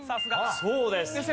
そうです。